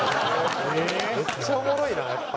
めっちゃおもろいなやっぱ。